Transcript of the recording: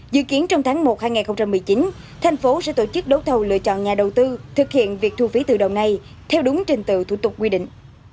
dự kiến trong tháng một hai nghìn một mươi chín thành phố sẽ tổ chức đấu thầu lựa chọn nhà đầu tư thực hiện việc thu phí từ đầu nay theo đúng trình tựu thủ tục quy định